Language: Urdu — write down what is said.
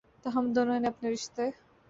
تاہم دونوں نے اپنے رشتے